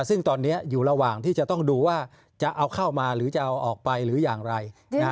ซึ่งตอนนี้อยู่ระหว่างที่จะต้องดูว่าจะเอาเข้ามาหรือจะเอาออกไปหรืออย่างไร